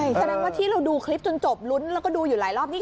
ใช่ฉะนั้นว่าที่เราดูคลิปจนจบรุ้นแล้วก็ดูอยู่หลายรอบนี้